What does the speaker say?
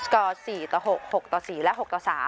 ก๔ต่อ๖๖ต่อ๔และ๖ต่อ๓